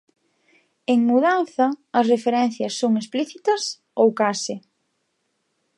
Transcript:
En 'Mudanza' as referencias son explícitas ou case.